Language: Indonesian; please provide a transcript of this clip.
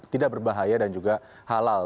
tidak berbahaya dan juga halal